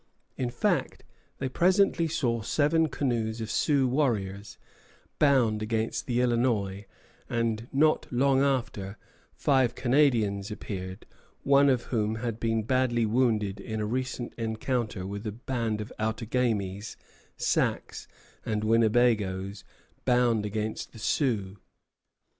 In fact, they presently saw seven canoes of Sioux warriors, bound against the Illinois; and not long after, five Canadians appeared, one of whom had been badly wounded in a recent encounter with a band of Outagamies, Sacs, and Winnebagoes bound against the Sioux.